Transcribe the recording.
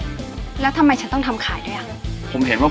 ดูแล้วคงไม่รอดเพราะเราคู่กัน